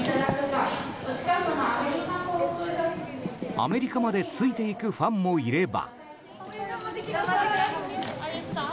アメリカまでついていくファンもいれば。